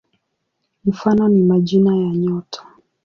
Mfano ni majina ya nyota.